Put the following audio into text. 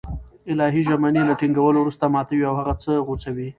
الهي ژمني له ټينگولو وروسته ماتوي او هغه څه غوڅوي